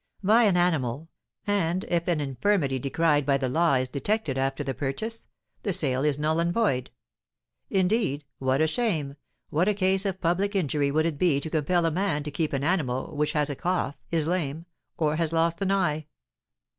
Buy an animal, and, if an infirmity decried by the law is detected after the purchase, the sale is null and void. Indeed, what a shame, what a case of public injury would it be to compel a man to keep an animal which has a cough, is lame, or has lost an eye!